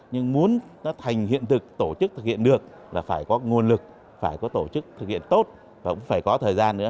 nhưng muốn nó thành hiện thực tổ chức thực hiện được là phải có nguồn lực phải có tổ chức thực hiện tốt và cũng phải có thời gian nữa